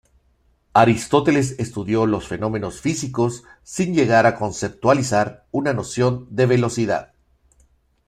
Aristóteles estudió los fenómenos físicos sin llegar a conceptualizar una noción de velocidad.